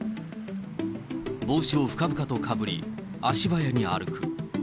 帽子を深々とかぶり、足早に歩く。